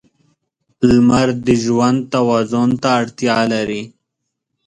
• لمر د ژوند توازن ته اړتیا لري.